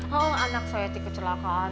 jadi anak saya itu kecelakaan